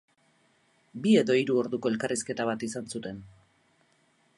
Bi edo hiru orduko elkarrizketa bat izan zuten.